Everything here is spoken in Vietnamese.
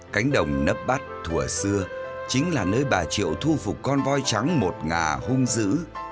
cánh đồng nấp bắt thủa xưa chính là nơi bà triệu thu phục con voi trắng một ngà hung dữ